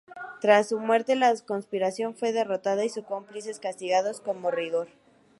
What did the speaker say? Tras su muerte, la conspiración fue derrotada y sus cómplices castigados con rigor.